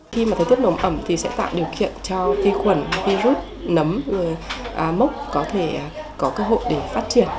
khi mà thời tiết nồng ẩm thì sẽ tạo điều kiện cho vi khuẩn virus nấm mốc có thể có cơ hội